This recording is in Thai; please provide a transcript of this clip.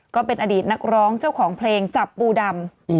ก็เป็นอดีตนักร้องเจ้าของเพลงจับปูดำ